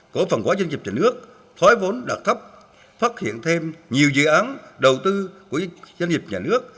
của phần quả doanh nghiệp nhà nước thói vốn đạt thấp phát hiện thêm nhiều dự án đầu tư của doanh nghiệp nhà nước